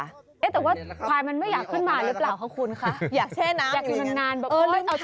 เนี่ยแต่ว่าควายมันไม่อยากขึ้นมาหรือเปล่าเฮ้ยครับคุณคะ